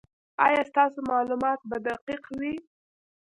ایا ستاسو معلومات به دقیق وي؟